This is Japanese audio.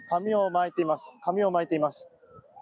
紙をまいています。